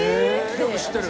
よく知ってる？